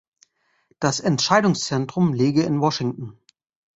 Das Entscheidungszentrum läge in Washington.